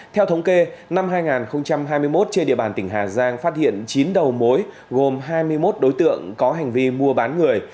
theo thống kê năm hai nghìn hai mươi một trên địa bàn tỉnh hà giang phát hiện chín đầu mối gồm hai mươi một đối tượng có hành vi mua bán người